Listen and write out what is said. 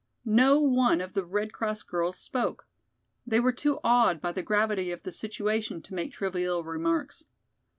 No one of the Red Cross girls spoke. They were too awed by the gravity of the situation to make trivial remarks.